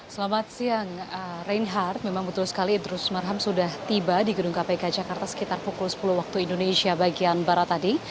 selamat siang reinhardt memang betul sekali idrus marham sudah tiba di gedung kpk jakarta sekitar pukul sepuluh waktu indonesia bagian barat tadi